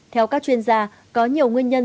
theo các chuyên gia có nhiều nguyên nhân